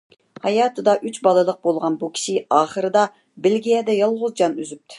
ھاياتىدا ئۈچ بالىلىق بولغان بۇ كىشى ئاخىرىدا بېلگىيەدە يالغۇز جان ئۈزۈپتۇ.